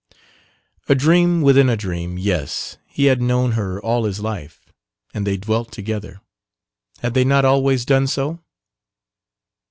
A dream within a dream yes, he had known her all his life, and they dwelt together; had they not always done so?